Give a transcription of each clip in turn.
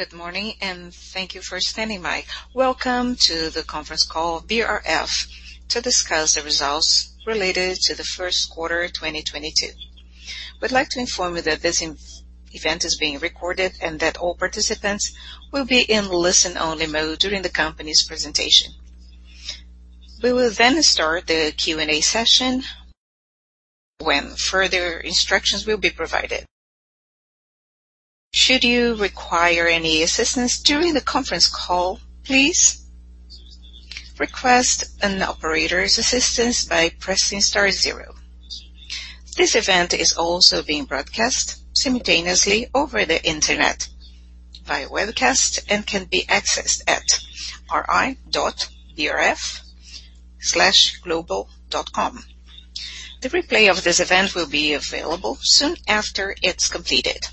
Good morning, and thank you for standing by. Welcome to the conference call of BRF to discuss the results related to the first quarter, 2022. We'd like to inform you that this event is being recorded and that all participants will be in listen-only mode during the company's presentation. We will then start the Q&A session when further instructions will be provided. Should you require any assistance during the conference call, please request an operator's assistance by pressing star zero. This event is also being broadcast simultaneously over the internet via webcast and can be accessed at ri.brf-global.com. The replay of this event will be available soon after it's completed.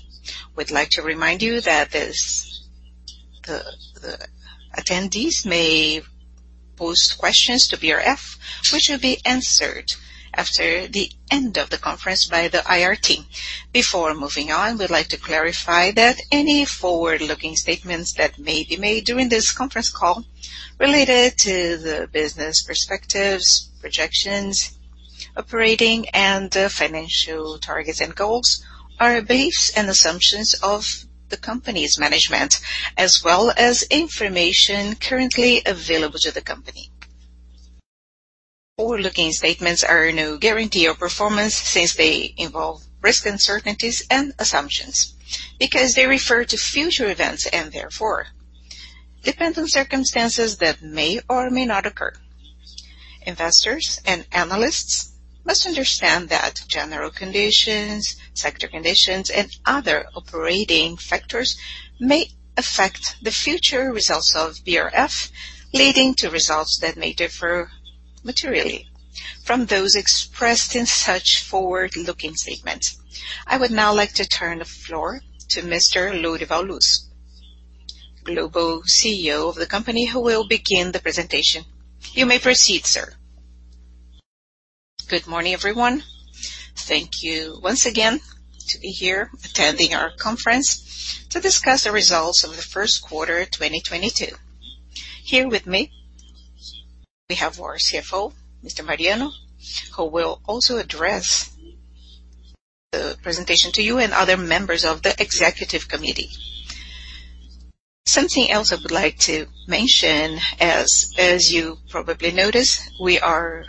We'd like to remind you that the attendees may pose questions to BRF, which will be answered after the end of the conference by the IR team. Before moving on, we'd like to clarify that any forward-looking statements that may be made during this conference call related to the business perspectives, projections, operating, and financial targets and goals are beliefs and assumptions of the company's management, as well as information currently available to the company. Forward-looking statements are no guarantee of performance since they involve risks, uncertainties and assumptions because they refer to future events and therefore depend on circumstances that may or may not occur. Investors and analysts must understand that general conditions, sector conditions, and other operating factors may affect the future results of BRF, leading to results that may differ materially from those expressed in such forward-looking statements. I would now like to turn the floor to Mr. Lorival Luz, Global CEO of the company, who will begin the presentation. You may proceed, sir. Good morning, everyone. Thank you once again for being here attending our conference to discuss the results of the first quarter, 2022. Here with me, we have our CFO, Mr. Mariano, who will also address the presentation to you and other members of the executive committee. Something else I would like to mention, as you probably noticed, we are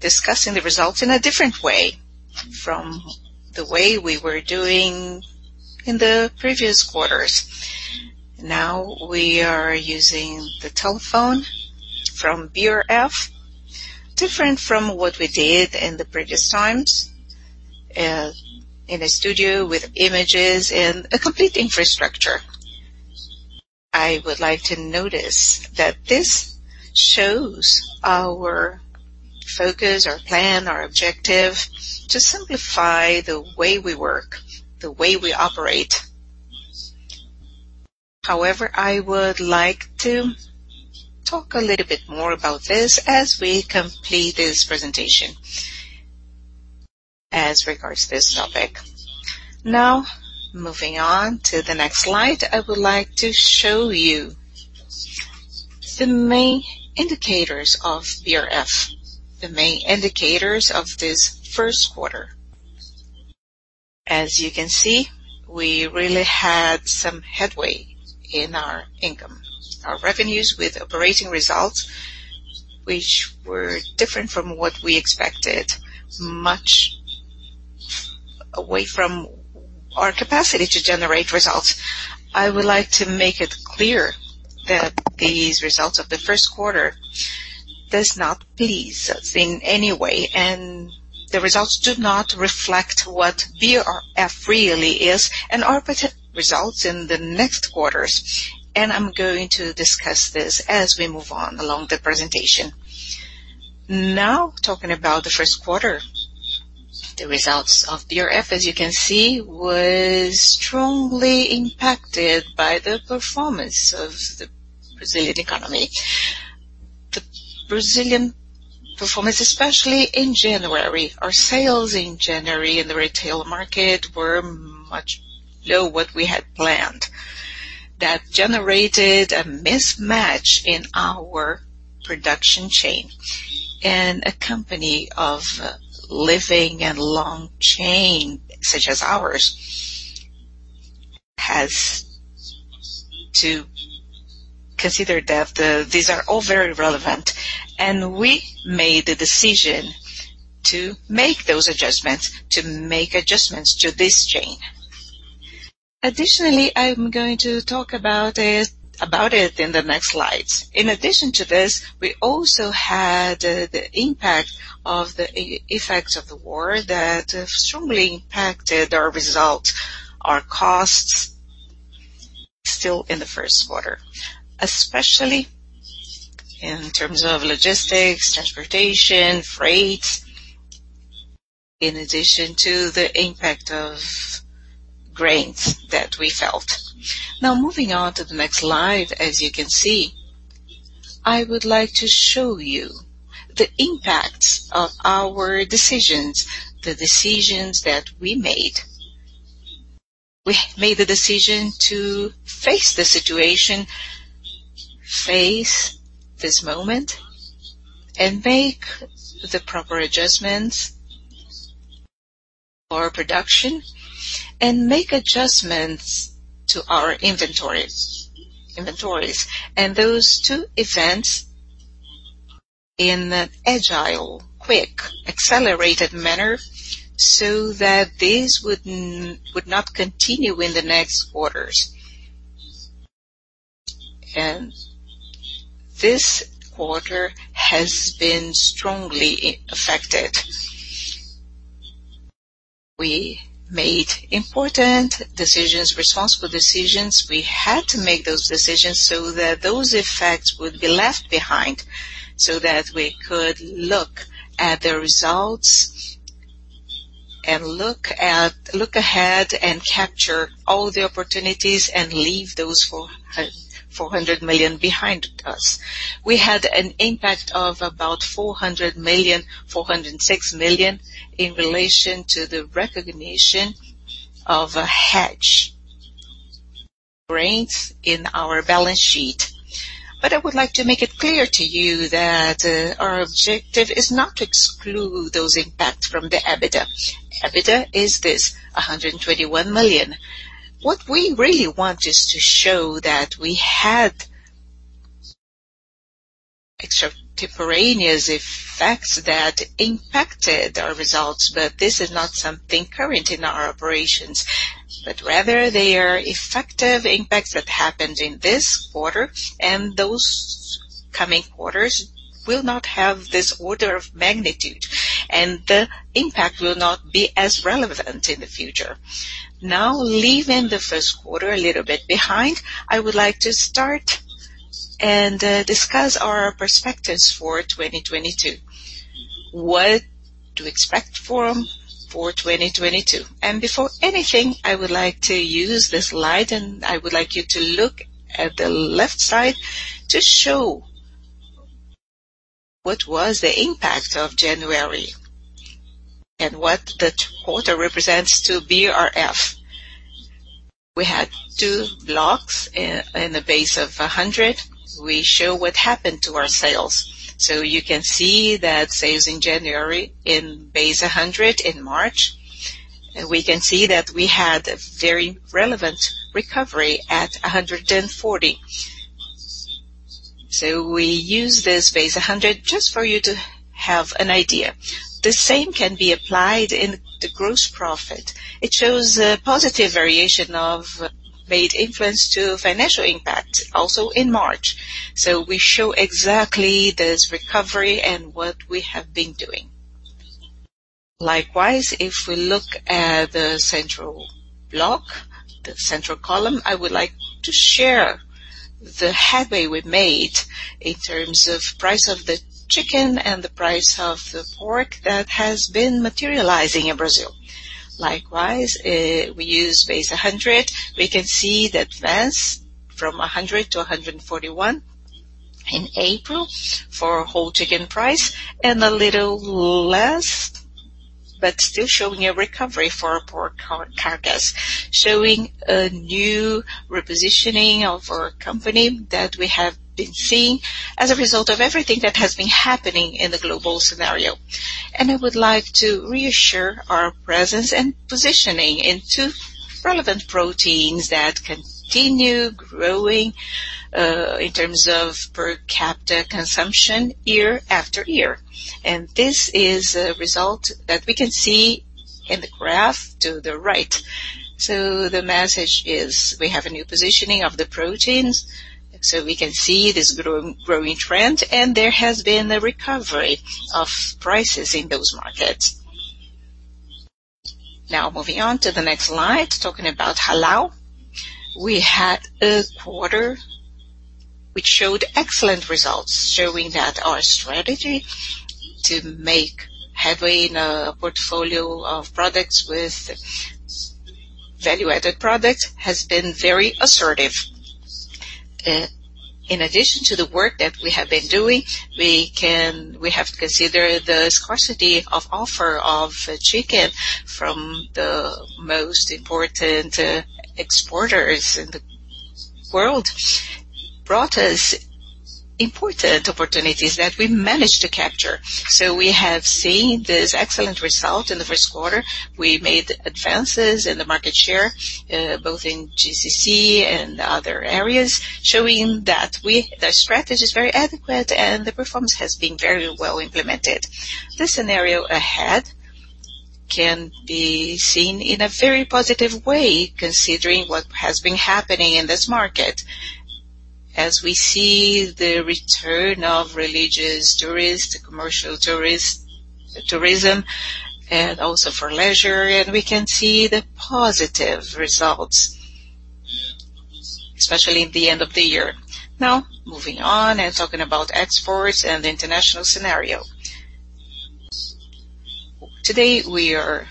discussing the results in a different way from the way we were doing in the previous quarters. Now we are using the telephone from BRF, different from what we did in the previous times, in a studio with images and a complete infrastructure. I would like to notice that this shows our focus, our plan, our objective to simplify the way we work, the way we operate. However, I would like to talk a little bit more about this as we complete this presentation as regards this topic. Now, moving on to the next slide, I would like to show you the main indicators of BRF, the main indicators of this first quarter. As you can see, we really had some headway in our income. Our revenues with operating results, which were different from what we expected, much away from our capacity to generate results. I would like to make it clear that these results of the first quarter does not please us in any way, and the results do not reflect what BRF really is and our potential results in the next quarters. I'm going to discuss this as we move on along the presentation. Now, talking about the first quarter. The results of BRF, as you can see, was strongly impacted by the performance of the Brazilian economy. The Brazilian performance, especially in January. Our sales in January in the retail market were much below what we had planned. That generated a mismatch in our production chain. A company of living and long chain such as ours has to consider that, these are all very relevant, and we made the decision to make those adjustments to this chain. Additionally, I'm going to talk about it in the next slides. In addition to this, we also had the impact of the effects of the war that strongly impacted our results, our costs still in the first quarter, especially in terms of logistics, transportation, freight, in addition to the impact of grains that we felt. Now moving on to the next slide, as you can see, I would like to show you the impacts of our decisions, the decisions that we made. We made the decision to face the situation, face this moment, and make the proper adjustments for production and make adjustments to our inventories. Those two events in an agile, quick, accelerated manner, so that these would not continue in the next quarters. This quarter has been strongly affected. We made important decisions, responsible decisions. We had to make those decisions so that those effects would be left behind, so that we could look at the results and look ahead and capture all the opportunities and leave those 400 million behind us. We had an impact of about 400 million, 406 million in relation to the recognition of a hedge raised in our balance sheet. I would like to make it clear to you that our objective is not to exclude those impacts from the EBITDA. EBITDA is 121 million. What we really want is to show that we had extraordinary effects that impacted our results, but this is not something current in our operations, but rather they are effective impacts that happened in this quarter, and those coming quarters will not have this order of magnitude, and the impact will not be as relevant in the future. Now, leaving the first quarter a little bit behind, I would like to start and discuss our perspectives for 2022. What to expect for 2022. Before anything, I would like to use this slide, and I would like you to look at the left side to show what was the impact of January and what that quarter represents to BRF. We had two blocks in the base of 100. We show what happened to our sales. You can see that sales in January in base 100, in March we can see that we had a very relevant recovery at 140. We use this base 100 just for you to have an idea. The same can be applied in the gross profit. It shows a positive variation and a meaningful financial impact also in March. We show exactly this recovery and what we have been doing. Likewise, if we look at the central block, the central column, I would like to share the headway we made in terms of price of the chicken and the price of the pork that has been materializing in Brazil. Likewise, we use base 100. We can see the advance from 100 to 141 in April for whole chicken price and a little less, but still showing a recovery for our pork carcass, showing a new repositioning of our company that we have been seeing as a result of everything that has been happening in the global scenario. I would like to reassure our presence and positioning in two relevant proteins that continue growing in terms of per capita consumption year after year. This is a result that we can see in the graph to the right. The message is we have a new positioning of the proteins. We can see this growing trend, and there has been a recovery of prices in those markets. Now, moving on to the next slide, talking about halal. We had a quarter which showed excellent results, showing that our strategy to make headway in a portfolio of products with high-value-added products has been very assertive. In addition to the work that we have been doing, we have to consider the scarcity of supply of chicken from the most important exporters in the world, brought us important opportunities that we managed to capture. We have seen this excellent result in the first quarter. We made advances in the market share, both in GCC and other areas, showing that the strategy is very adequate and the performance has been very well implemented. This scenario ahead can be seen in a very positive way, considering what has been happening in this market. As we see the return of religious tourist, commercial tourist, tourism, and also for leisure, and we can see the positive results, especially at the end of the year. Now, moving on and talking about exports and the international scenario. Today we are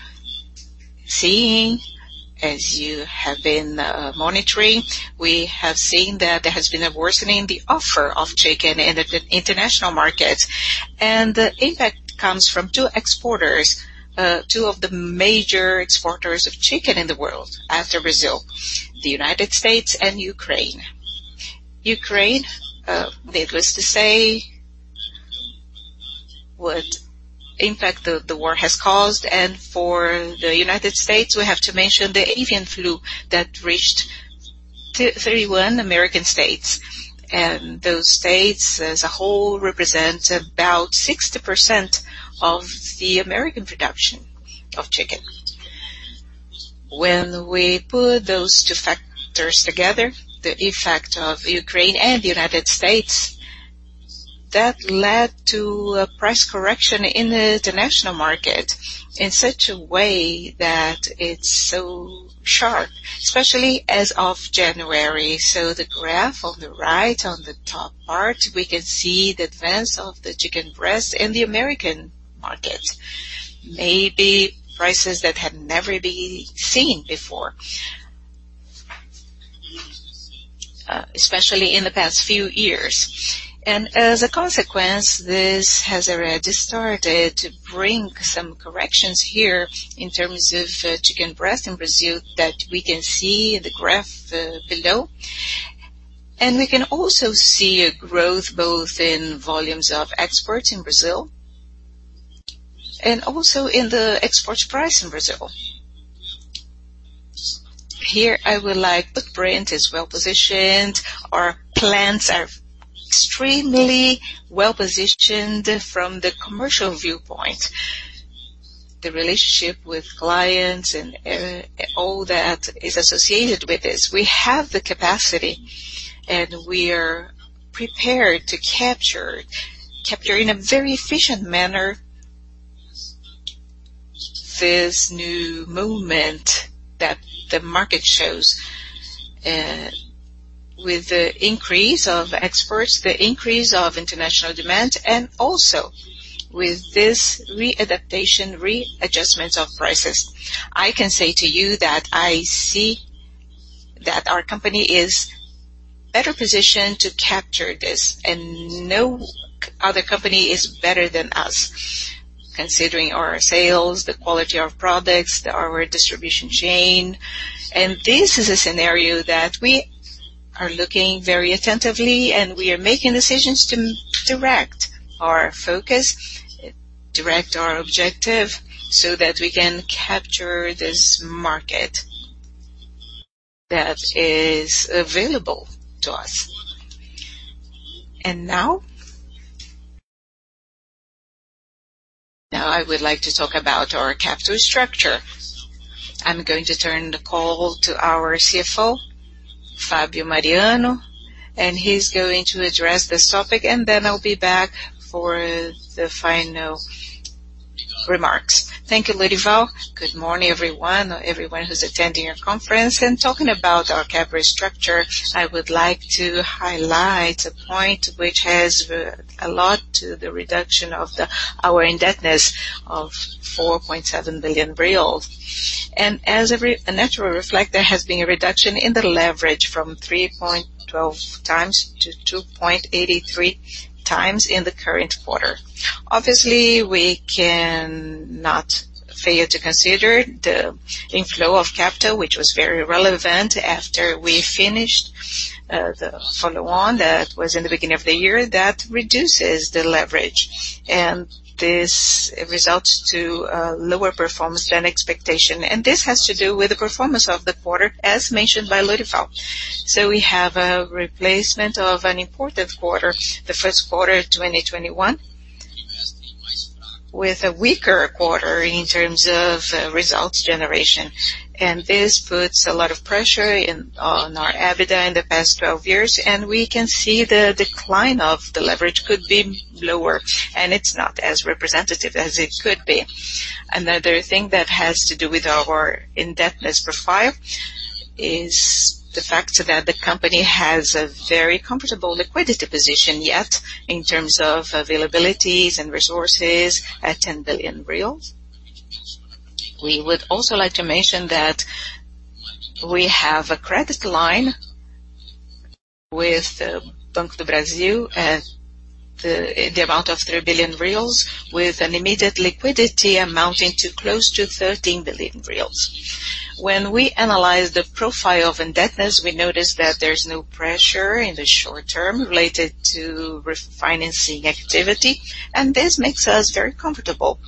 seeing, as you have been monitoring, we have seen that there has been a worsening the offer of chicken in the international markets. The impact comes from two exporters, two of the major exporters of chicken in the world after Brazil, the United States and Ukraine. Ukraine, needless to say, the war has caused, and for the United States, we have to mention the avian flu that reached 31 American states, and those states as a whole represents about 60% of the American production of chicken. When we put those two factors together, the effect of Ukraine and the United States, that led to a price correction in the international market in such a way that it's so sharp, especially as of January. The graph on the right on the top part, we can see the advance of the chicken breast in the American market. Maybe prices that have never been seen before. Especially in the past few years. As a consequence, this has already started to bring some corrections here in terms of chicken breast in Brazil that we can see in the graph below. We can also see a growth both in volumes of exports in Brazil and also in the export price in Brazil. BRF is well-positioned. Our plants are extremely well-positioned from the commercial viewpoint. The relationship with clients and all that is associated with this. We have the capacity, and we're prepared to capture in a very efficient manner this new movement that the market shows with the increase of exports, the increase of international demand, and also with this readaptation, readjustment of prices. I can say to you that I see that our company is better positioned to capture this, and no other company is better than us, considering our sales, the quality of products, our distribution chain. This is a scenario that we are looking very attentively, and we are making decisions to direct our focus, direct our objective so that we can capture this market that is available to us. Now I would like to talk about our capital structure. I'm going to turn the call to our CFO, Fabio Mariano, and he's going to address this topic, and then I'll be back for the final remarks. Thank you, Lorival Luz. Good morning, everyone or everyone who's attending our conference. In talking about our capital structure, I would like to highlight a point which has a lot to do with the reduction of our indebtedness of 4.7 billion reais. As a natural reflection, there has been a reduction in the leverage from 3.12x to 2.83x in the current quarter. Obviously, we can not fail to consider the inflow of capital, which was very relevant after we finished the follow-on that was in the beginning of the year. That reduces the leverage, and this results in lower performance than expected. This has to do with the performance of the quarter as mentioned by Lorival Luz. We have a replacement of an important quarter, the first quarter of 2021, with a weaker quarter in terms of results generation. This puts a lot of pressure on our EBITDA in the past twelve years, and we can see the decline of the leverage could be lower, and it's not as representative as it could be. Another thing that has to do with our indebtedness profile is the fact that the company has a very comfortable liquidity position yet in terms of availabilities and resources at 10 billion reais. We would also like to mention that we have a credit line with Banco do Brasil at the amount of 3 billion reais with an immediate liquidity amounting to close to 13 billion reais. When we analyze the profile of indebtedness, we notice that there's no pressure in the short term related to refinancing activity, and this makes us very comfortable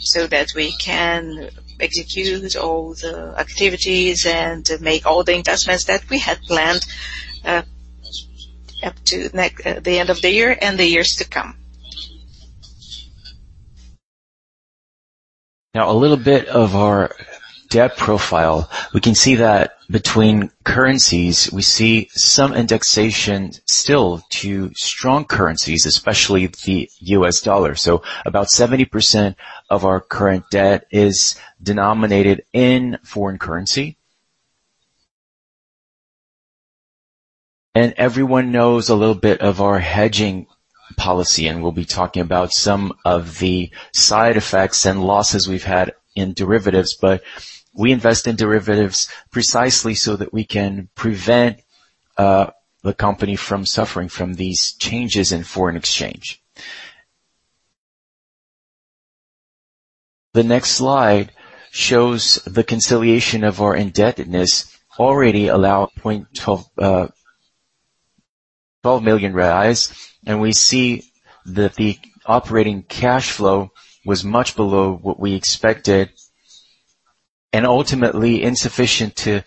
so that we can execute all the activities and make all the investments that we had planned, up to the end of the year and the years to come. Now a little bit of our debt profile. We can see that between currencies, we see some indexation still to strong currencies, especially the US dollar. About 70% of our current debt is denominated in foreign currency. Everyone knows a little bit of our hedging policy, and we'll be talking about some of the side effects and losses we've had in derivatives. We invest in derivatives precisely so that we can prevent the company from suffering from these changes in foreign exchange. The next slide shows the reconciliation of our indebtedness already 12 million reais. We see that the operating cash flow was much below what we expected and ultimately insufficient to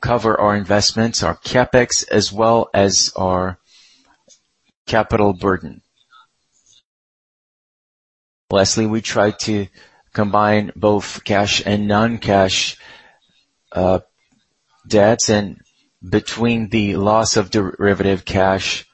cover our investments, our CapEx, as well as our capital burden. We try to combine both cash and non-cash debts. Between the loss of derivative cash,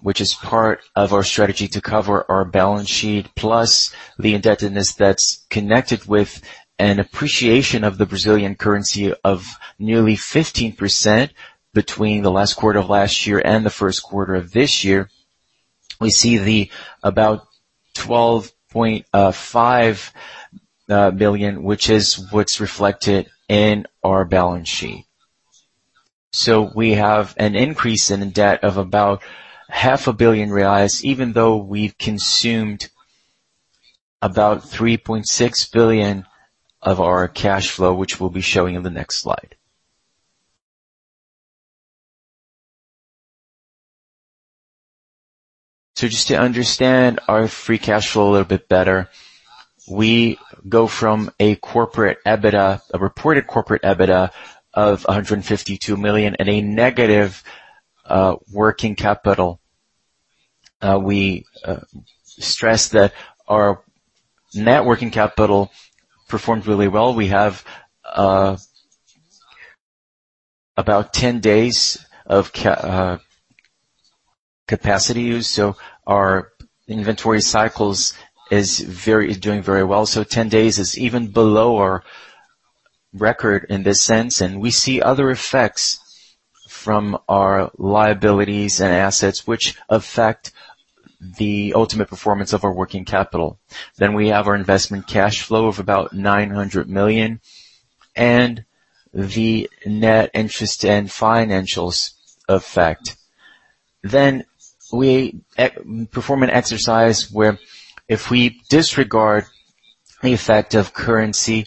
which is part of our strategy to cover our balance sheet, plus the indebtedness that's connected with an appreciation of the Brazilian currency of nearly 15% between the last quarter of last year and the first quarter of this year. We see about 12.5 billion, which is what's reflected in our balance sheet. We have an increase in debt of about BRL half a billion, even though we've consumed about 3.6 billion of our cash flow, which we'll be showing in the next slide. Just to understand our free cash flow a little bit better, we go from a corporate EBITDA, a reported corporate EBITDA of 152 million and a negative working capital. We stress that our net working capital performed really well. We have about 10 days of capacity use, so our inventory cycles is doing very well. 10 days is even below our record in this sense. We see other effects from our liabilities and assets which affect the ultimate performance of our working capital. We have our investment cash flow of about 900 million and the net interest and financials effect. We perform an exercise where if we disregard the effect of currency,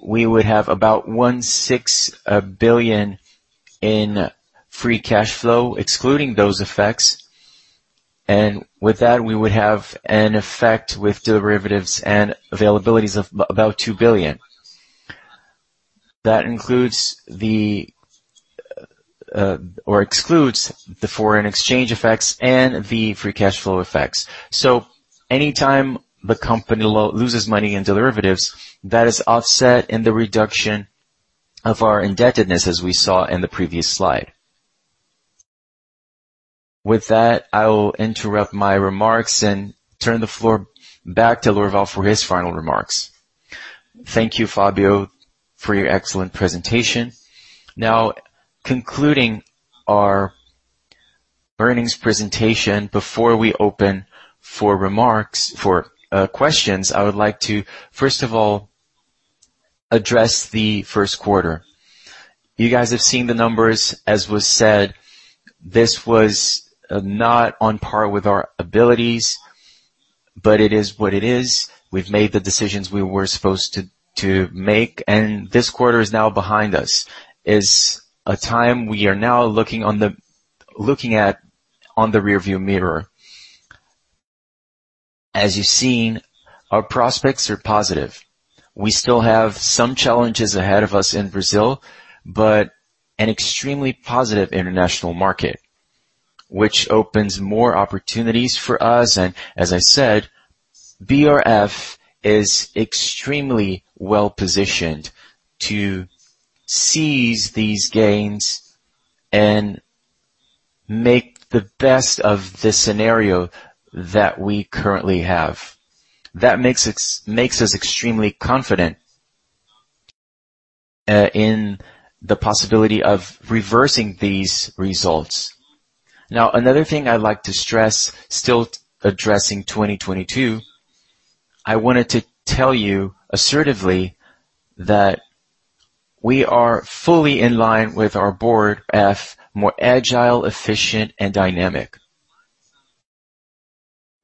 we would have about 1.6 billion in free cash flow, excluding those effects. With that, we would have an effect with derivatives and availabilities of about 2 billion. That includes or excludes the foreign exchange effects and the free cash flow effects. Anytime the company loses money in derivatives, that is offset in the reduction of our indebtedness, as we saw in the previous slide. With that, I will interrupt my remarks and turn the floor back to Lorival for his final remarks. Thank you, Fabio, for your excellent presentation. Now, concluding our earnings presentation, before we open for questions, I would like to first of all address the first quarter. You guys have seen the numbers. As was said, this was not on par with our abilities, but it is what it is. We've made the decisions we were supposed to make, and this quarter is now behind us. It's a time we are now looking in the rearview mirror. As you've seen, our prospects are positive. We still have some challenges ahead of us in Brazil, but an extremely positive international market, which opens more opportunities for us. As I said, BRF is extremely well-positioned to seize these gains and make the best of the scenario that we currently have. That makes us extremely confident in the possibility of reversing these results. Now, another thing I'd like to stress, still addressing 2022, I wanted to tell you assertively that we are fully in line with our board, BRF, more agile, efficient, and dynamic.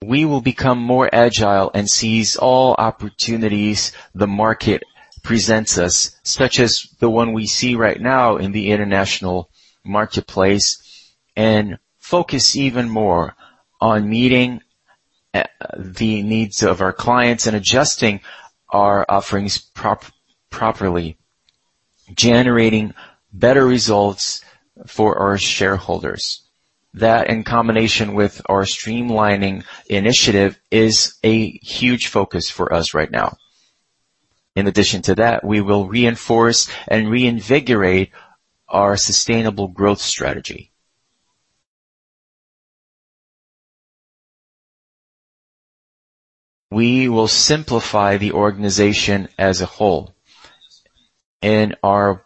We will become more agile and seize all opportunities the market presents us, such as the one we see right now in the international marketplace, and focus even more on meeting the needs of our clients and adjusting our offerings properly, generating better results for our shareholders. That, in combination with our streamlining initiative, is a huge focus for us right now. In addition to that, we will reinforce and reinvigorate our sustainable growth strategy. We will simplify the organization as a whole in our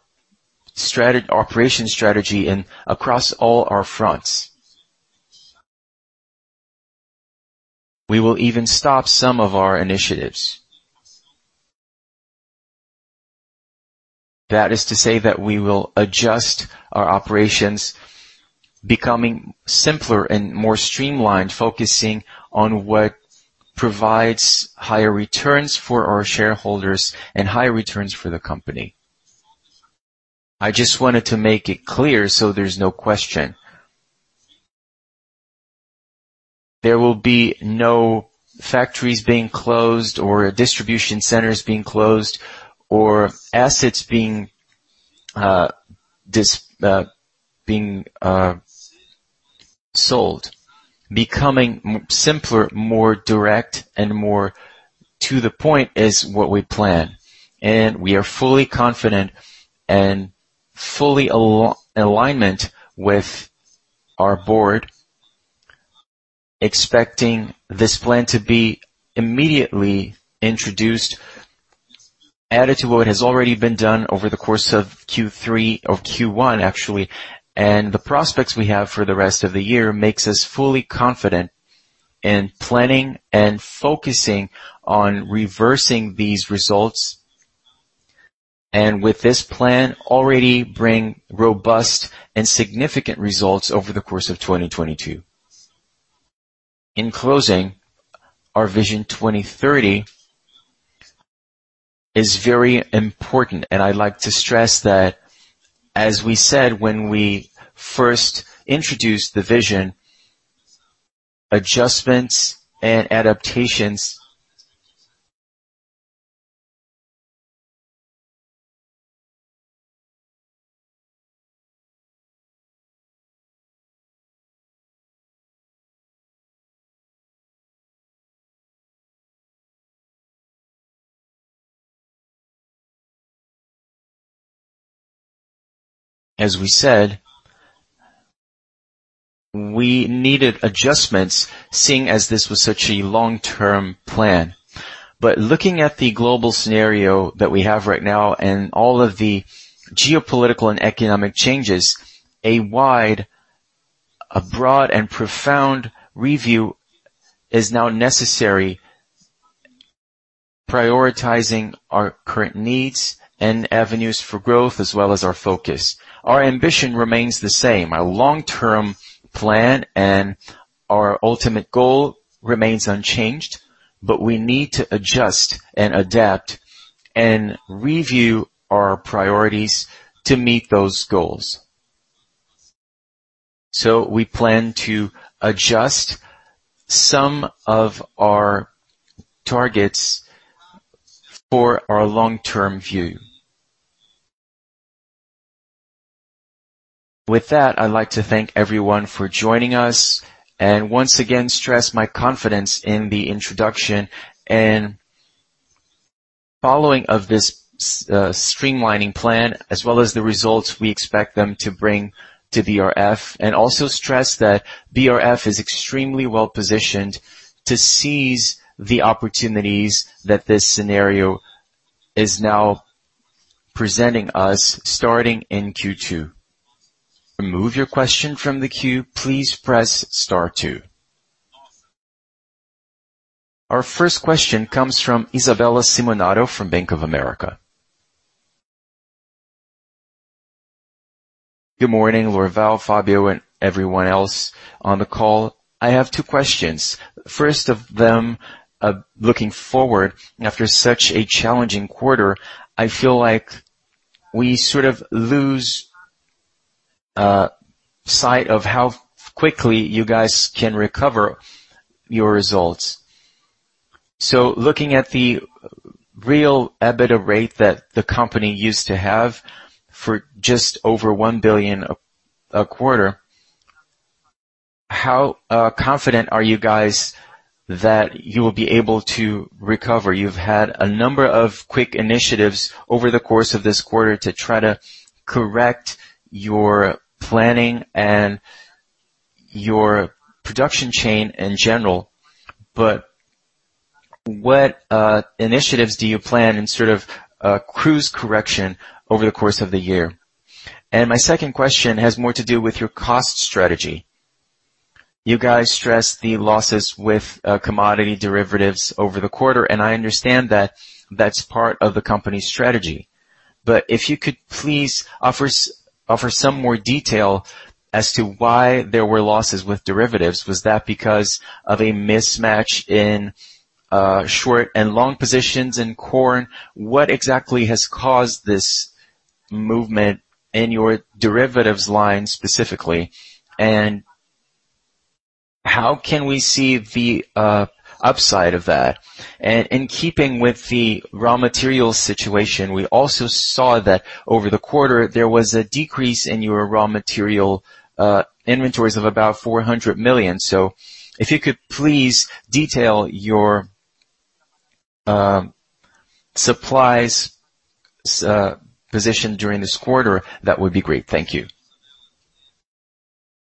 strategy, operation strategy and across all our fronts. We will even stop some of our initiatives. That is to say that we will adjust our operations, becoming simpler and more streamlined, focusing on what provides higher returns for our shareholders and higher returns for the company. I just wanted to make it clear, so there's no question. There will be no factories being closed or distribution centers being closed or assets being sold. Becoming simpler, more direct, and more to the point is what we plan. We are fully confident and fully alignment with our board, expecting this plan to be immediately introduced, added to what has already been done over the course of Q3 or Q1, actually, and the prospects we have for the rest of the year makes us fully confident in planning and focusing on reversing these results. With this plan already bring robust and significant results over the course of 2022. In closing, our Vision 2030 is very important, and I'd like to stress that, as we said when we first introduced the vision, adjustments and adaptations. As we said, we needed adjustments seeing as this was such a long-term plan. Looking at the global scenario that we have right now and all of the geopolitical and economic changes, a wide, a broad, and profound review is now necessary, prioritizing our current needs and avenues for growth as well as our focus. Our ambition remains the same. Our long-term plan and our ultimate goal remains unchanged, but we need to adjust and adapt and review our priorities to meet those goals. We plan to adjust some of our targets for our long-term view. With that, I'd like to thank everyone for joining us and once again stress my confidence in the introduction and following of this streamlining plan as well as the results we expect them to bring to BRF. Also stress that BRF is extremely well-positioned to seize the opportunities that this scenario is now presenting us starting in Q2. Remove your question from the queue, please press star two. Our first question comes from Isabella Simonato from Bank of America. Good morning, Lorival, Fabio, and everyone else on the call. I have two questions. First of them, looking forward, after such a challenging quarter, I feel like we sort of lose sight of how quickly you guys can recover your results. Looking at the real EBITDA rate that the company used to have for just over 1 billion a quarter, how confident are you guys that you will be able to recover? You've had a number of quick initiatives over the course of this quarter to try to correct your planning and your production chain in general, but what initiatives do you plan in sort of a course correction over the course of the year? My second question has more to do with your cost strategy. You guys stress the losses with commodity derivatives over the quarter, and I understand that that's part of the company's strategy. But if you could please offer some more detail as to why there were losses with derivatives. Was that because of a mismatch in short and long positions in corn? What exactly has caused this movement in your derivatives line specifically, and how can we see the upside of that? In keeping with the raw material situation, we also saw that over the quarter, there was a decrease in your raw material inventories of about 400 million. If you could please detail your supplies position during this quarter, that would be great. Thank you.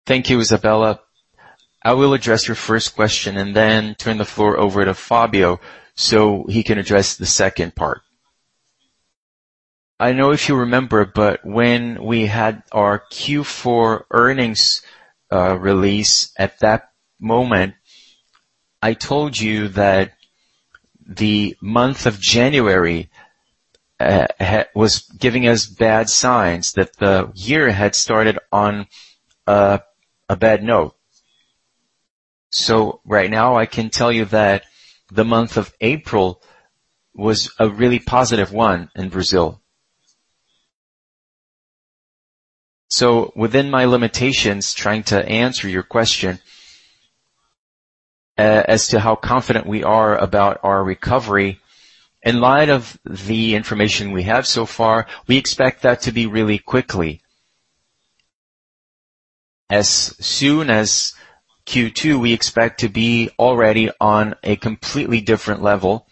Thank you, Isabella. I will address your first question and then turn the floor over to Fabio so he can address the second part. I don't know if you remember, but when we had our Q4 earnings release at that moment, I told you that the month of January was giving us bad signs that the year had started on a bad note. Right now, I can tell you that the month of April was a really positive one in Brazil. Within my limitations, trying to answer your question as to how confident we are about our recovery, in light of the information we have so far, we expect that to be really quickly. As soon as Q2, we expect to be already on a completely different level.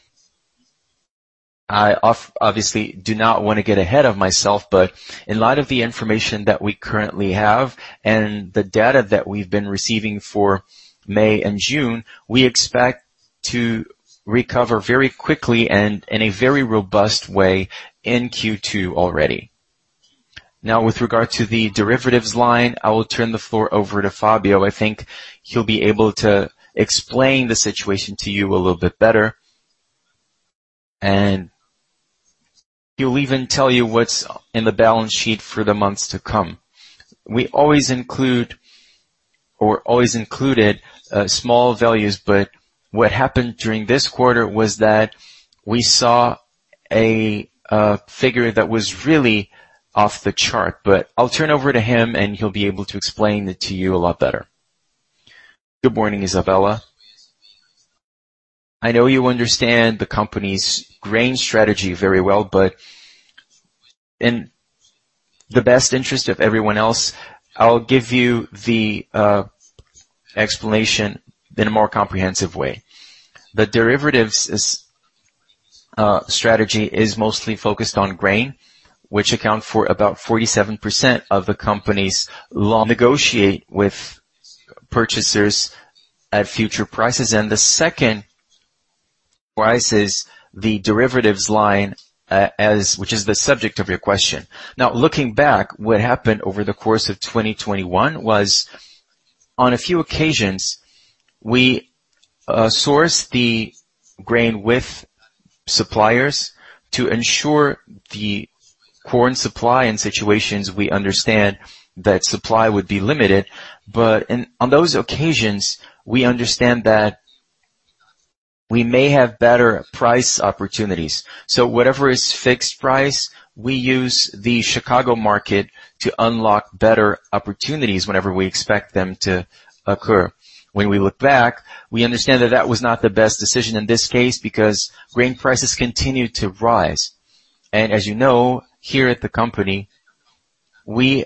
I obviously do not wanna get ahead of myself, but in light of the information that we currently have and the data that we've been receiving for May and June, we expect to recover very quickly and in a very robust way in Q2 already. Now, with regard to the derivatives line, I will turn the floor over to Fabio. I think he'll be able to explain the situation to you a little bit better. He'll even tell you what's in the balance sheet for the months to come. We always include or always included small values, but what happened during this quarter was that we saw a figure that was really off the chart. I'll turn over to him, and he'll be able to explain it to you a lot better. Good morning, Isabella. I know you understand the company's grain strategy very well, but in the best interest of everyone else, I'll give you the explanation in a more comprehensive way. The derivatives strategy is mostly focused on grain, which account for about 47% of the company's long negotiations with purchasers at future prices. The second part is the derivatives line, which is the subject of your question. Now, looking back, what happened over the course of 2021 was, on a few occasions, we sourced the grain with suppliers to ensure the corn supply in situations we understand that supply would be limited. On those occasions, we understand that we may have better price opportunities. Whatever is fixed price, we use the Chicago market to unlock better opportunities whenever we expect them to occur. When we look back, we understand that that was not the best decision in this case because grain prices continued to rise. As you know, here at the company, we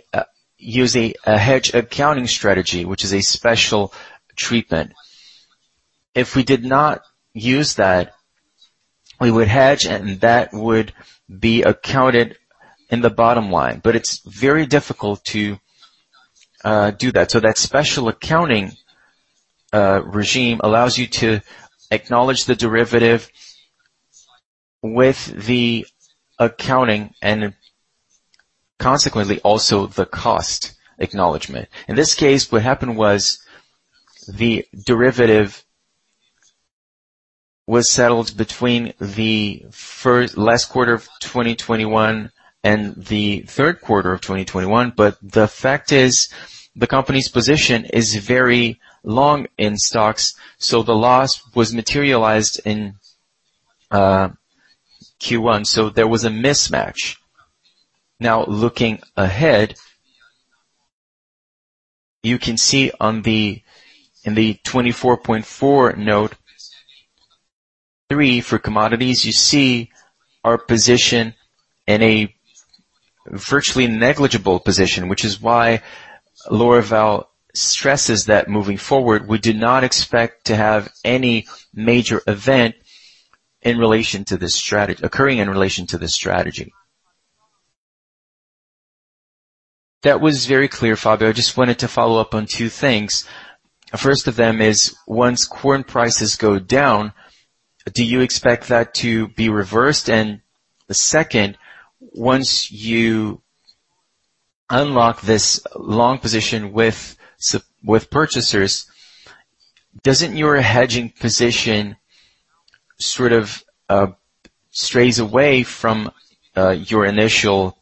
use a hedge accounting strategy, which is a special treatment. If we did not use that, we would hedge, and that would be accounted in the bottom line. It's very difficult to do that. That special accounting regime allows you to acknowledge the derivative with the accounting and consequently, also the cost acknowledgment. In this case, what happened was the derivative was settled between the last quarter of 2021 and the third quarter of 2021. The fact is the company's position is very long in stocks, so the loss was materialized in Q1. There was a mismatch. Now, looking ahead, you can see in the 24.4 note 3 for commodities. You see our position in a virtually negligible position, which is why Lorival stresses that moving forward, we do not expect to have any major event in relation to this strategy occurring in relation to this strategy. That was very clear, Fabio. I just wanted to follow up on two things. First of them is, once corn prices go down, do you expect that to be reversed? The second, once you unlock this long position with purchasers, doesn't your hedging position sort of strays away from your initial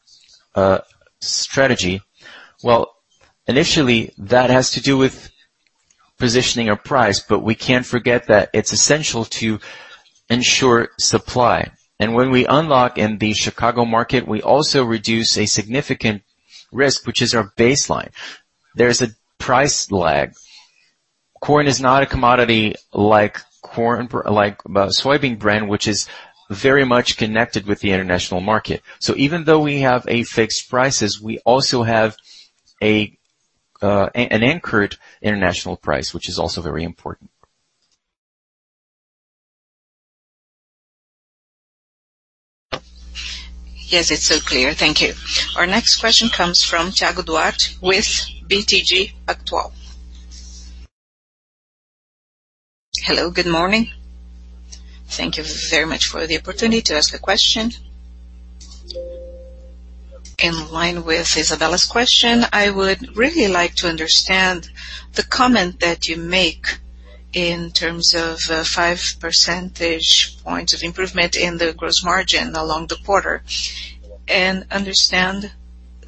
strategy? Well, initially, that has to do with positioning a price, but we can't forget that it's essential to ensure supply. When we unlock in the Chicago market, we also reduce a significant risk, which is our baseline. There's a price lag. Corn is not a commodity like soybean meal, which is very much connected with the international market. Even though we have fixed prices, we also have an anchored international price, which is also very important. Yes, it's so clear. Thank you. Our next question comes from Thiago Duarte with BTG Pactual. Hello, good morning. Thank you very much for the opportunity to ask a question. In line with Isabella's question, I would really like to understand the comment that you make in terms of 5 percentage points of improvement in the gross margin along the quarter. Understand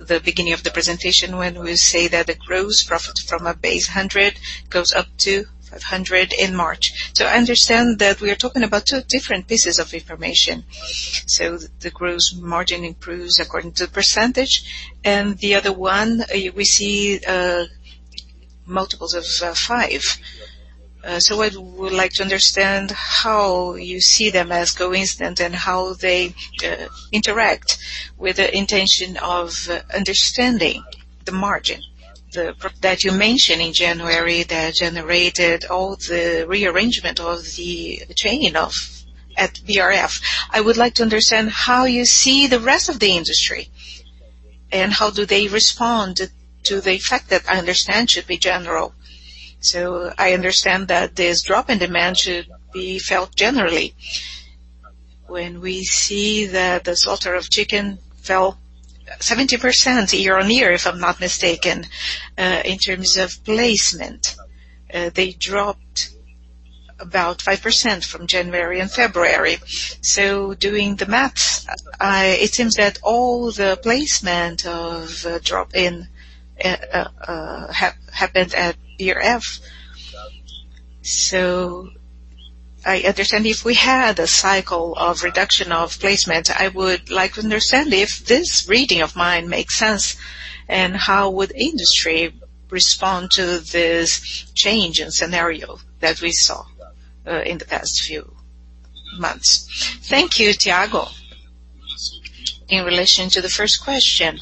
the beginning of the presentation when we say that the gross profit from a base 100 goes up to 500 in March. I understand that we are talking about two different pieces of information. The gross margin improves according to percentage, and the other one, we see multiples of 5. I would like to understand how you see them as coincident and how they interact with the intention of understanding the margin. That you mentioned in January that generated all the rearrangement of the chain at BRF. I would like to understand how you see the rest of the industry, and how do they respond to the effect that I understand should be general. I understand that this drop in demand should be felt generally. When we see that the slaughter of chicken fell 70% year-over-year, if I'm not mistaken. In terms of placement, they dropped about 5% from January and February. Doing the math, it seems that all the placement drop happened at BRF. I understand if we had a cycle of reduction of placement, I would like to understand if this reading of mine makes sense, and how would industry respond to this change in scenario that we saw in the past few months? Thank you, Thiago. In relation to the first question,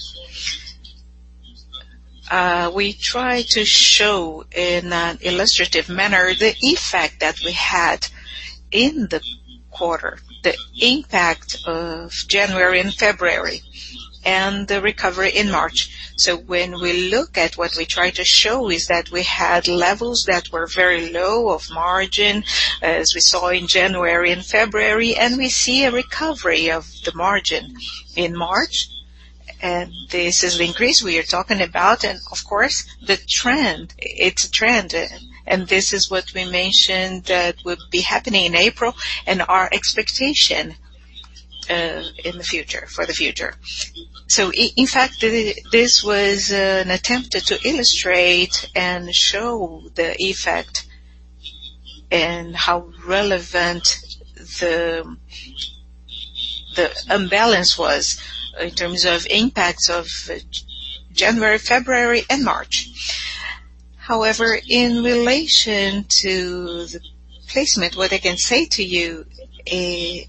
we try to show in an illustrative manner the effect that we had in the quarter, the impact of January and February, and the recovery in March. When we look at what we try to show is that we had levels that were very low of margin as we saw in January and February, and we see a recovery of the margin in March. This is the increase we are talking about and of course the trend. It's a trend, and this is what we mentioned that would be happening in April and our expectation in the future for the future. In fact, this was an attempt to illustrate and show the effect and how relevant the imbalance was in terms of impacts of January, February, and March. However, in relation to the placement, what I can say to you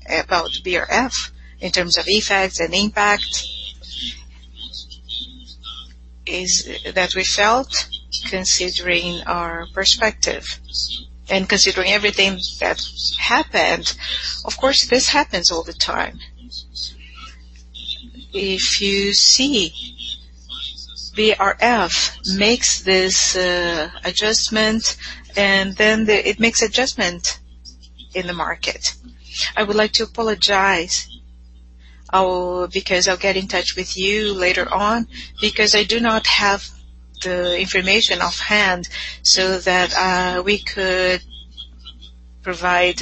about BRF in terms of effects and impact is that we felt considering our perspective and considering everything that happened, of course, this happens all the time. If you see BRF makes this adjustment and then it makes adjustment in the market. I would like to apologize, because I'll get in touch with you later on because I do not have the information offhand so that we could provide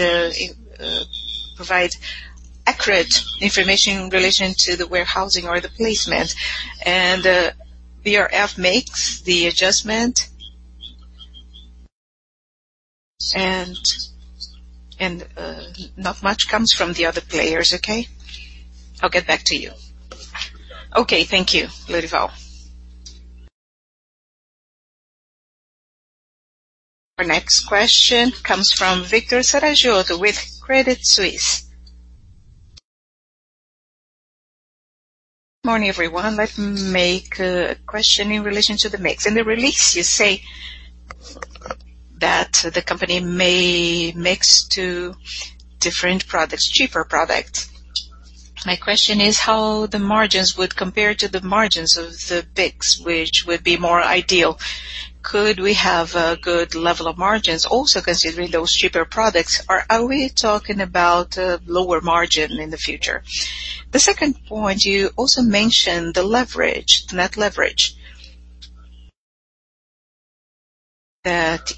accurate information in relation to the warehousing or the placement. BRF makes the adjustment and not much comes from the other players, okay? I'll get back to you. Okay. Thank you, Lorival. Our next question comes from Victor Saragiotto with Credit Suisse. Morning, everyone. Let me make a question in relation to the mix. In the release you say that the company may mix to different products, cheaper products. My question is how the margins would compare to the margins of the mix, which would be more ideal. Could we have a good level of margins also considering those cheaper products, or are we talking about a lower margin in the future? The second point, you also mentioned the leverage - net leverage. That,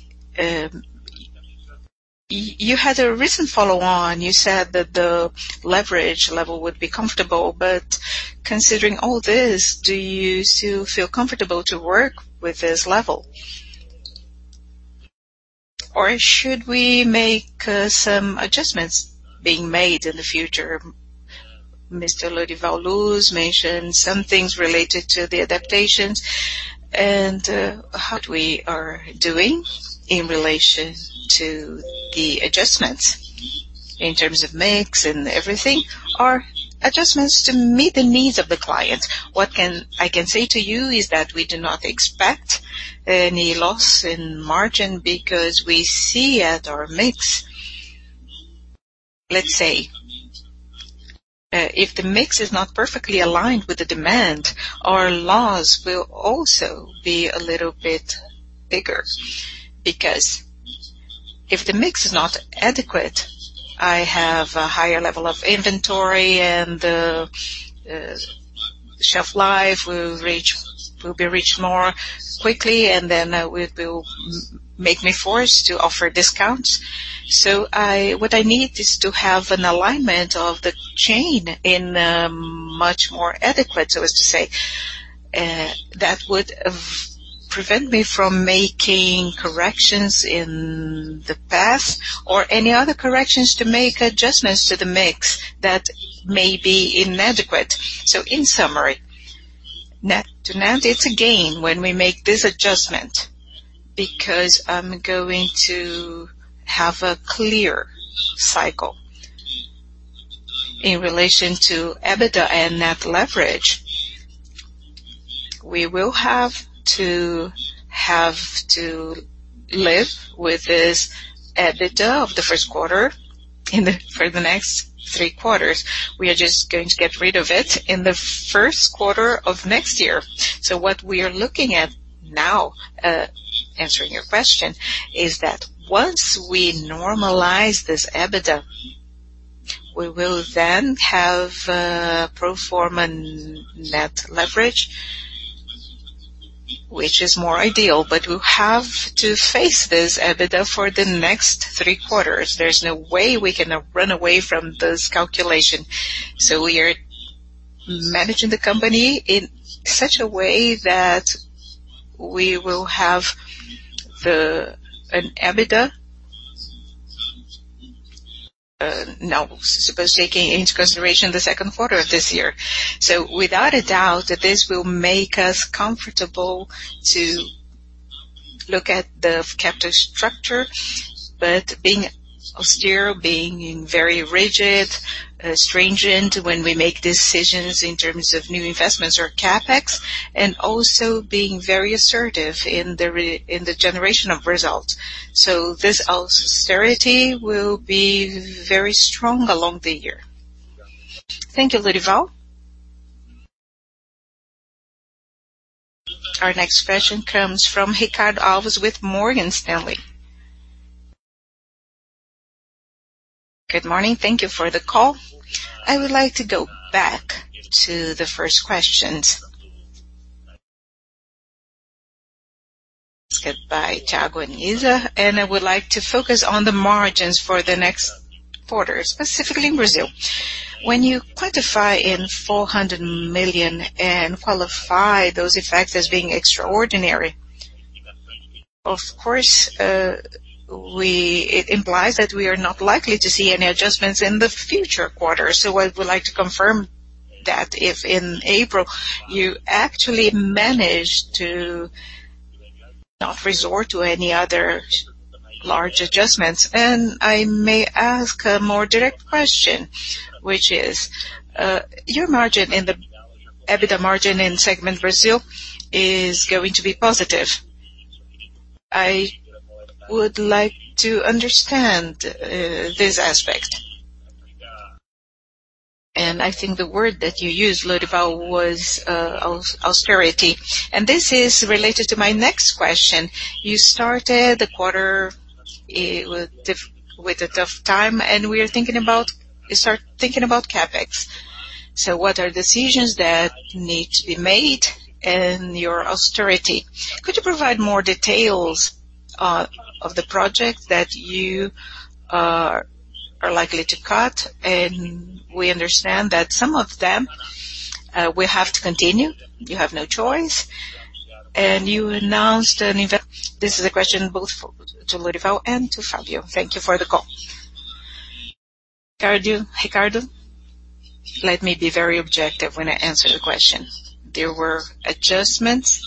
you had a recent follow-on, you said that the leverage level would be comfortable, but considering all this, do you still feel comfortable to work with this level? Or should we make some adjustments being made in the future? Mr. Lorival Luz mentioned some things related to the adaptations and what we are doing in relation to the adjustments in terms of mix and everything are adjustments to meet the needs of the client. I can say to you is that we do not expect any loss in margin because we see at our mix. Let's say, if the mix is not perfectly aligned with the demand, our loss will also be a little bit bigger. Because if the mix is not adequate, I have a higher level of inventory and the shelf life will be reached more quickly, and then will make me forced to offer discounts. What I need is to have an alignment of the chain in much more adequate, so as to say. That would prevent me from making corrections in the past or any other corrections to make adjustments to the mix that may be inadequate. In summary, net demand, it's a gain when we make this adjustment because I'm going to have a clear cycle. In relation to EBITDA and net leverage, we will have to live with this EBITDA of the first quarter for the next three quarters. We are just going to get rid of it in the first quarter of next year. What we are looking at now, answering your question, is that once we normalize this EBITDA, we will then have pro forma net leverage, which is more ideal. We have to face this EBITDA for the next three quarters. There's no way we can run away from this calculation. We are managing the company in such a way that we will have an EBITDA now supposed taking into consideration the second quarter of this year. Without a doubt, this will make us comfortable to look at the capital structure, but being austere, being very rigid, stringent when we make decisions in terms of new investments or CapEx, and also being very assertive in the generation of results. This austerity will be very strong along the year. Thank you, Lorival. Our next question comes from Ricardo Alves with Morgan Stanley. Good morning. Thank you for the call. I would like to go back to the first questions asked by Thiago and Isabella, and I would like to focus on the margins for the next quarter, specifically in Brazil. When you quantify in 400 million and qualify those effects as being extraordinary, of course, it implies that we are not likely to see any adjustments in the future quarters. I would like to confirm that if in April you actually managed to not resort to any other large adjustments. I may ask a more direct question, which is, your EBITDA margin in segment Brazil is going to be positive. I would like to understand this aspect. I think the word that you used, Ludovão, was, austerity. This is related to my next question. You started the quarter with a tough time, and we are thinking about you start thinking about CapEx. What are decisions that need to be made in your austerity? Could you provide more details of the projects that you are likely to cut? We understand that some of them will have to continue. You have no choice. This is a question both to Lorival Luz and to Fabio Mariano. Thank you for the call. Ricardo Alves, let me be very objective when I answer your question. There were adjustments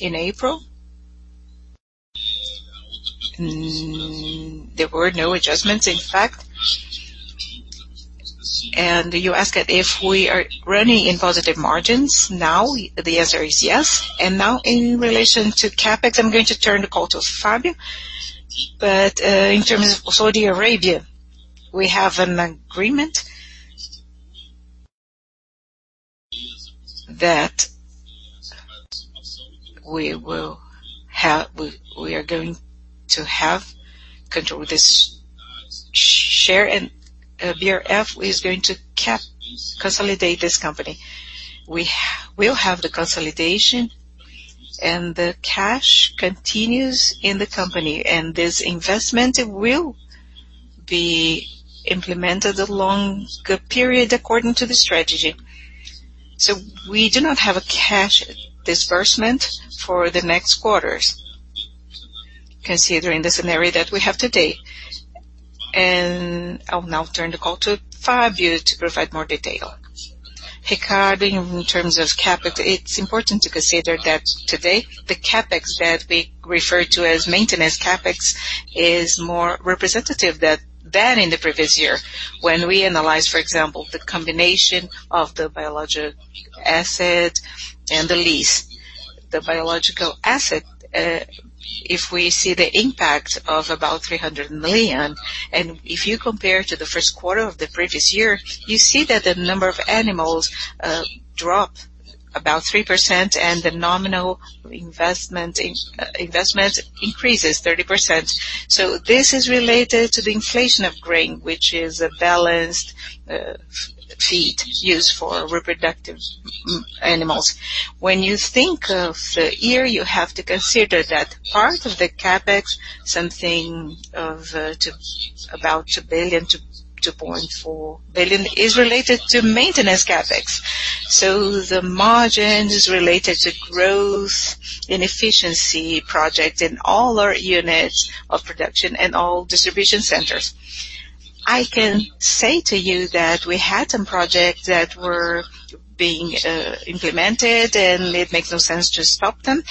in April. There were no adjustments, in fact. You ask if we are running in positive margins now, the answer is yes. Now in relation to CapEx, I'm going to turn the call to Fabio Mariano. In terms of Saudi Arabia, we have an agreement that we are going to have control. This share in BRF is going to proportionally consolidate this company. We will have the consolidation, and the cash continues in the company, and this investment will be implemented over the period according to the strategy. We do not have a cash disbursement for the next quarters considering the scenario that we have today. I'll now turn the call to Fabio to provide more detail. Ricardo, in terms of CapEx, it's important to consider that today the CapEx that we refer to as maintenance CapEx is more representative than that in the previous year when we analyzed, for example, the combination of the biological asset and the lease. The biological asset, if we see the impact of about 300 million, and if you compare to the first quarter of the previous year, you see that the number of animals drop about 3% and the nominal investment increases 30%. This is related to the inflation of grain, which is a balanced feed used for reproductive animals. When you think of the year, you have to consider that part of the CapEx, something of about 2 billion-2.4 billion is related to maintenance CapEx. The margin is related to growth and efficiency project in all our units of production and all distribution centers. I can say to you that we had some projects that were being implemented, and it makes no sense to stop them.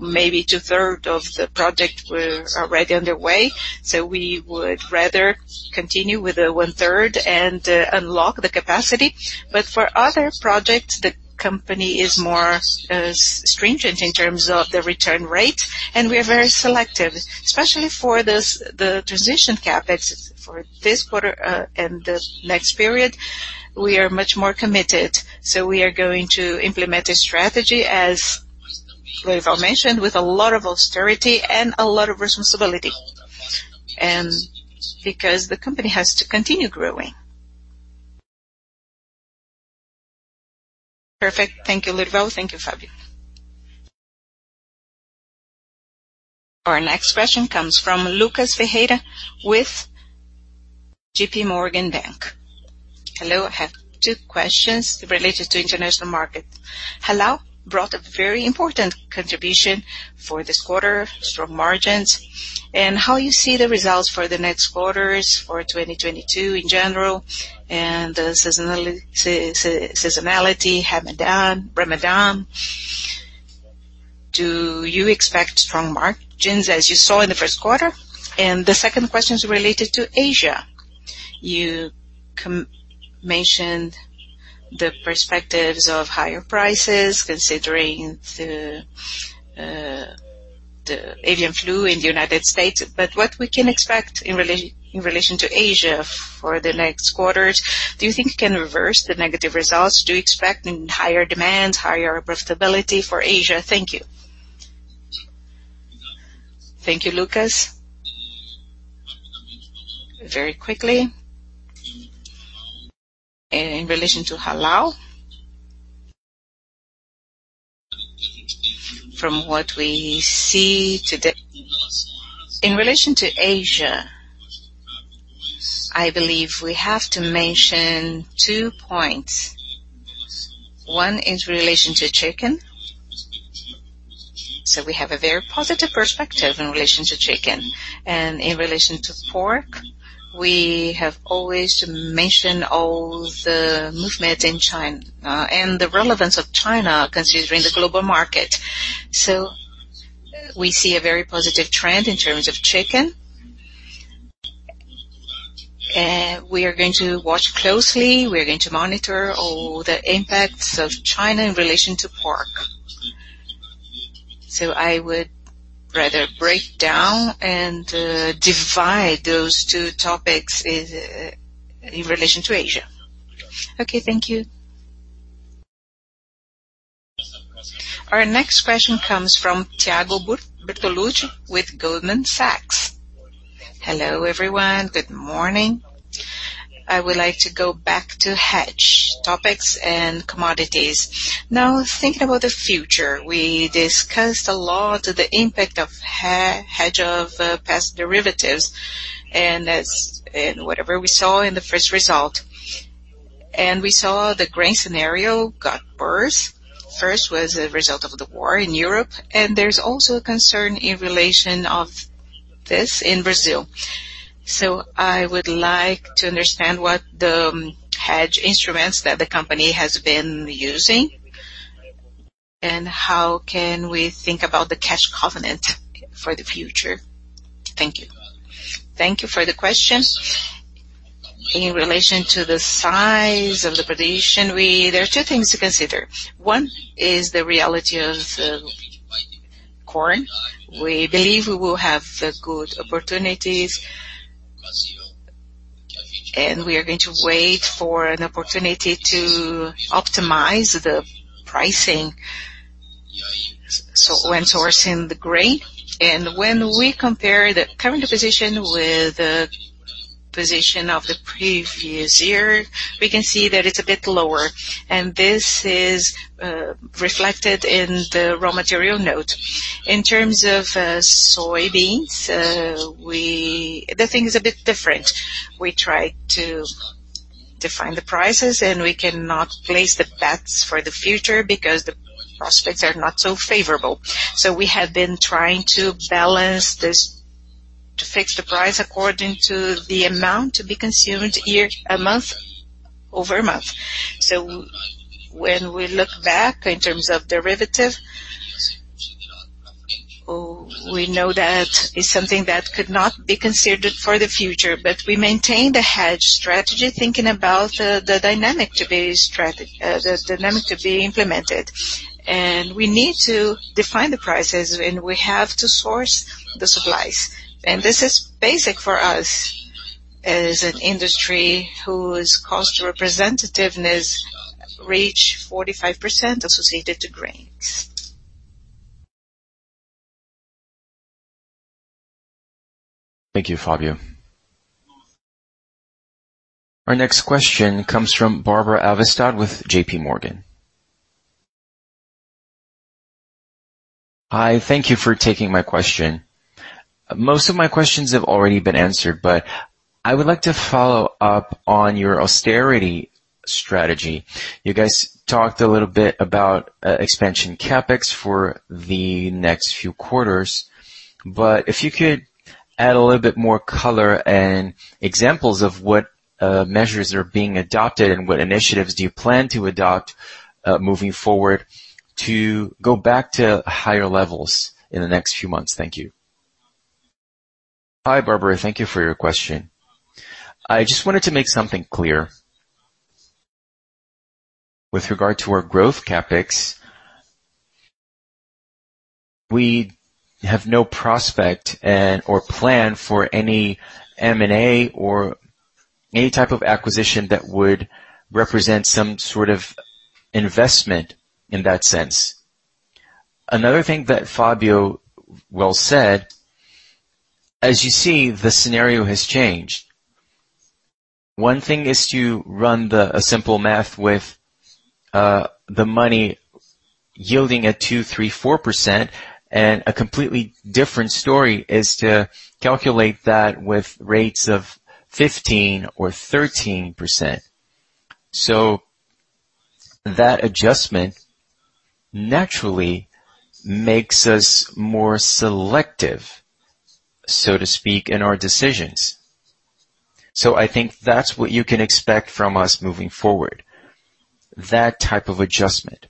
Maybe two-thirds of the projects are already underway, so we would rather continue with the one-third and unlock the capacity. But for other projects, the company is more stringent in terms of the return rate, and we are very selective, especially for the transition CapEx for this quarter and the next period, we are much more committed. We are going to implement a strategy, as Lorival mentioned, with a lot of austerity and a lot of responsibility because the company has to continue growing. Perfect. Thank you, Lorival. Thank you, Fabio. Our next question comes from Lucas Ferreira with JPMorgan. Hello. I have two questions related to international market. Halal brought a very important contribution for this quarter, strong margins. How you see the results for the next quarters for 2022 in general and the seasonality, Ramadan. Do you expect strong margins as you saw in the first quarter? The second question is related to Asia. You mentioned the perspectives of higher prices considering the avian flu in the United States, but what we can expect in relation to Asia for the next quarters? Do you think it can reverse the negative results? Do you expect higher demands, higher profitability for Asia? Thank you. Thank you, Lucas. Very quickly. In relation to halal. From what we see today. In relation to Asia, I believe we have to mention two points. One is relation to chicken. We have a very positive perspective in relation to chicken. In relation to pork, we have always mentioned all the movement in China, and the relevance of China considering the global market. We see a very positive trend in terms of chicken. We are going to watch closely. We are going to monitor all the impacts of China in relation to pork. I would rather break down and divide those two topics is in relation to Asia. Okay. Thank you. Our next question comes from Thiago Bortoluci with Goldman Sachs. Hello, everyone. Good morning. I would like to go back to hedge topics and commodities. Now, thinking about the future, we discussed a lot the impact of hedging of past derivatives and its and whatever we saw in the first result. We saw the grain scenario got worse. This was a result of the war in Europe, and there's also a concern in relation to this in Brazil. I would like to understand what the hedge instruments that the company has been using, and how can we think about the cash covenant for the future. Thank you. Thank you for the question. In relation to the size of the position, there are two things to consider. One is the reality of corn. We believe we will have good opportunities, and we are going to wait for an opportunity to optimize the pricing so when sourcing the grain. When we compare the current position with the position of the previous year, we can see that it's a bit lower, and this is reflected in the raw material note. In terms of soybeans, the thing is a bit different. We try to define the prices, and we cannot place the bets for the future because the prospects are not so favorable. We have been trying to balance this to fix the price according to the amount to be consumed over a month. When we look back in terms of derivatives. We know that is something that could not be considered for the future, but we maintain the hedge strategy thinking about the dynamic to be implemented. We need to define the prices and we have to source the supplies. This is basic for us as an industry whose cost representativeness reach 45% associated to grains. Thank you, Fabio. Our next question comes from Barbara Halberstadt with J.P. Morgan. Hi, thank you for taking my question. Most of my questions have already been answered, but I would like to follow up on your austerity strategy. You guys talked a little bit about expansion CapEx for the next few quarters. If you could add a little bit more color and examples of what measures are being adopted and what initiatives do you plan to adopt moving forward to go back to higher levels in the next few months. Thank you. Hi, Barbara. Thank you for your question. I just wanted to make something clear. With regard to our growth CapEx, we have no prospect and or plan for any M&A or any type of acquisition that would represent some sort of investment in that sense. Another thing that Fabio well said, as you see, the scenario has changed. One thing is to run a simple math with the money yielding at 2, 3, 4%, and a completely different story is to calculate that with rates of 15 or 13%. That adjustment naturally makes us more selective, so to speak, in our decisions. I think that's what you can expect from us moving forward, that type of adjustment.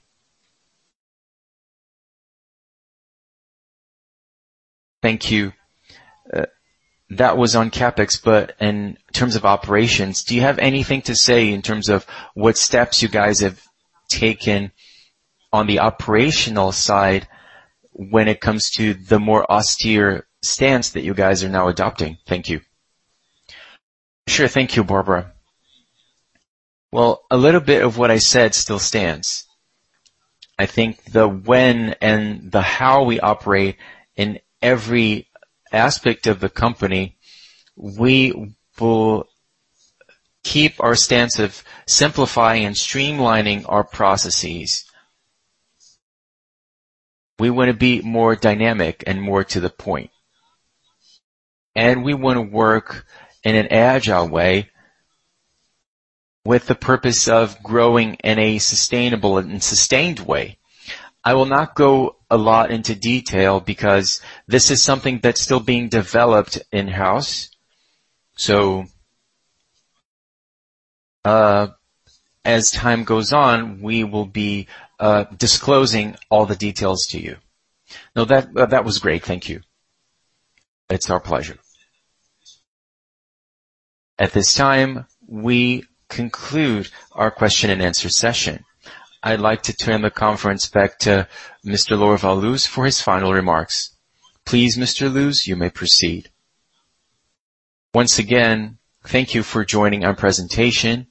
Thank you. That was on CapEx, but in terms of operations, do you have anything to say in terms of what steps you guys have taken on the operational side when it comes to the more austere stance that you guys are now adopting? Thank you. Sure. Thank you, Barbara. Well, a little bit of what I said still stands. I think the when and the how we operate in every aspect of the company, we will keep our stance of simplifying and streamlining our processes. We wanna be more dynamic and more to the point, and we wanna work in an agile way with the purpose of growing in a sustainable and sustained way. I will not go a lot into detail because this is something that's still being developed in-house. As time goes on, we will be, disclosing all the details to you. No, that was great. Thank you. It's our pleasure. At this time, we conclude our question and answer session. I'd like to turn the conference back to Mr. Lorival Luz for his final remarks. Please, Mr. Luz, you may proceed. Once again, thank you for joining our presentation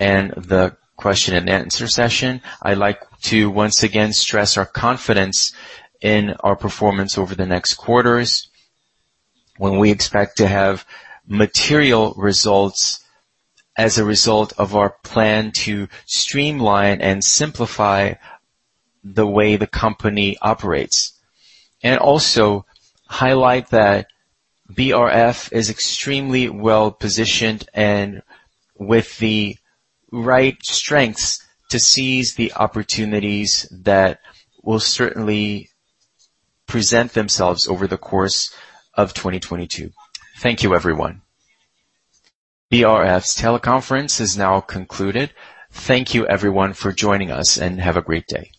and the question and answer session. I like to once again stress our confidence in our performance over the next quarters when we expect to have material results as a result of our plan to streamline and simplify the way the company operates. Also highlight that BRF is extremely well-positioned and with the right strengths to seize the opportunities that will certainly present themselves over the course of 2022. Thank you, everyone. BRF's teleconference is now concluded. Thank you, everyone, for joining us, and have a great day.